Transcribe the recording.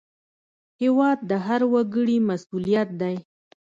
هېواد د هر وګړي مسوولیت دی.